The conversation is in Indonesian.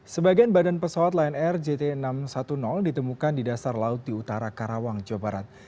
sebagian badan pesawat lion air jt enam ratus sepuluh ditemukan di dasar laut di utara karawang jawa barat